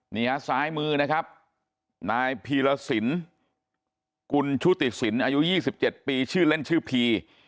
นี่ครับซ้ายมือนะครับนายพีรสินคุณชุติสินอายุยี่สิบเจ็ดปีชื่อเล่นชื่อพี